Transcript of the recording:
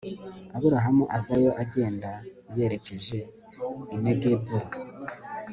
Aburahamu avayo agenda yerekeje i Negebu